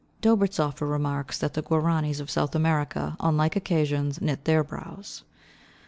Dobritzhoffer remarks that the Guaranies of South America on like occasions knit their brows.